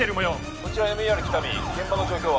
こちらＭＥＲ喜多見現場の状況は？